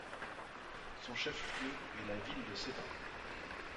Son chef-lieu est la ville de Seppa.